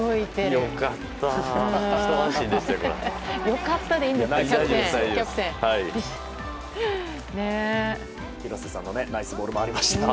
良かったでいいんですか？